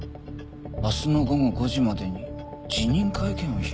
「明日の午後５時までに辞任会見を開け」